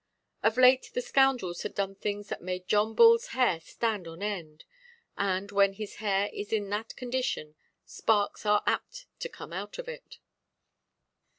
Of late the scoundrels had done things that made John Bullʼs hair stand on end; and, when his hair is in that condition, sparks are apt to come out of it.